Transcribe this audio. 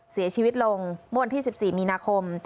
เสียชีวิตลงมที่๑๔มีคม